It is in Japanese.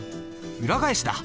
裏返しだ。